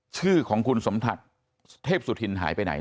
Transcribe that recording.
ชื่อของคุณสมศักดิ์เทพสุธินหายไปไหน